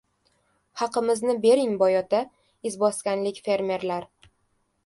«Haqimizni bering, boy ota!» — Izboskanlik fermerlar